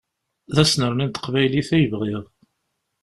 D asnerni n teqbaylit i bɣiɣ.